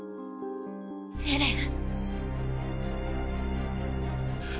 エレン。